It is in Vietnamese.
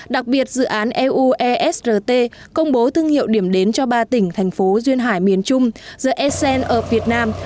đặc biệt dự án euesrt công bố thương hiệu điểm đến cho ba tỉnh thành phố duyên hải miền trung the essen ở việt nam